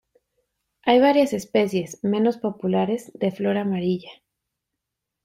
Hay varias especies, menos populares, de flor amarilla.